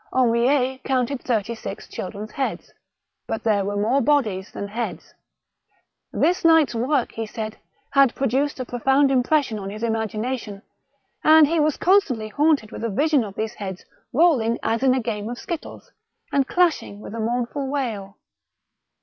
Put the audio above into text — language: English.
Henriet counted thirty six children's heads, but there were more bodies than heads. This night's work, he said, had produced a profound impression on his imagination, and he was constantly haunted with a vision of these heads rolling as in a game of skittles, and clashing with a mournful wail.